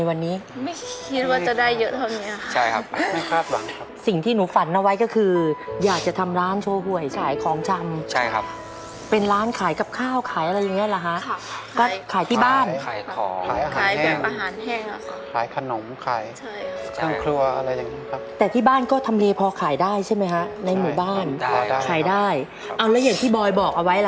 ไปซื้อผ้ามารับผ้ามาเพื่อที่จะได้เย็บอย่างนี้หรอ